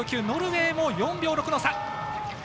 ノルウェーも４秒６の差。